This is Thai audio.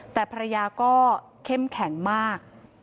แต่ภรรยาก็เข้มแข็งมาก